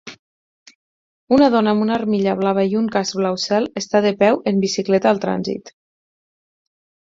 Una dona amb una armilla blava i un casc blau cel està de peu en bicicleta al trànsit.